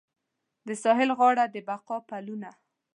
د ساحل غاړه د بقا پلونه